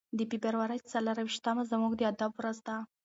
د فبرورۍ څلور ویشتمه زموږ د ادب ورځ ده.